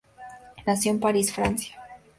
Nació en París, Francia.